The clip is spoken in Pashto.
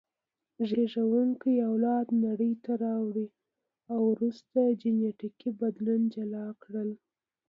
زېږوونکي اولادونه نړۍ ته راوړي او وروسته جینټیکي بدلون جلا کړل.